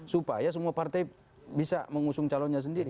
supaya semua partai bisa mengusung calonnya sendiri